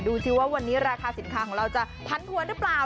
ดูสิว่าวันนี้ราคาสินค้าของเราจะพันผวนหรือเปล่า